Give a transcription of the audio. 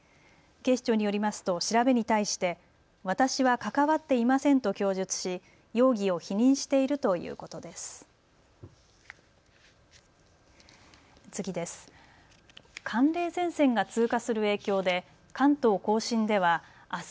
警視庁によりますと調べに対して私は関わっていませんと供述し、容疑を否認しているということです。